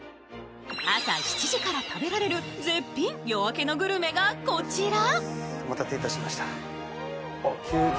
朝７時から食べられる絶品夜明けのグルメが、こちら。